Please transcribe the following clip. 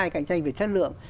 cạnh tranh về chất lượng